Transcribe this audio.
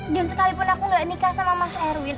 dan sekalipun aku gak nikah sama mas erwin